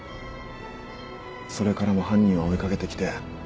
それからも犯人は追い掛けてきて。